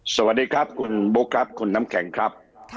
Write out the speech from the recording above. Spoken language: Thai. สวัสดีครับคุณบุ๊คครับคุณน้ำแข็งครับ